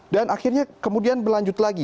dan akhirnya kemudian berlanjut lagi